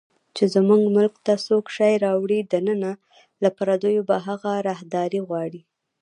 چې زموږ ملک ته څوک شی راوړي دننه، له پردیو به هغه راهداري غواړي